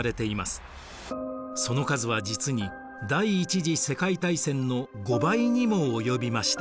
その数は実に第一次世界大戦の５倍にも及びました。